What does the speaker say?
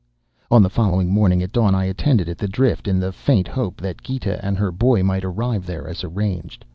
"On the following morning at dawn I attended at the drift in the faint hope that Gita and her boy might arrive there as arranged.